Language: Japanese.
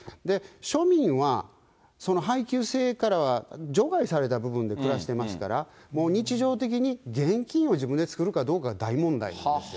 庶民は、その配給制からは除外された部分で暮らしていますから、もう日常的に現金を自分で作るかどうかが大問題なんですよ。